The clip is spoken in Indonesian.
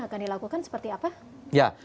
akan dilakukan seperti apa